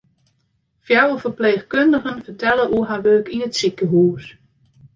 Fjouwer ferpleechkundigen fertelle oer har wurk yn it sikehûs.